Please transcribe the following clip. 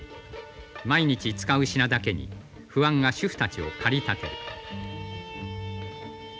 毎日使う品だけに不安が主婦たちを駆り立てる」。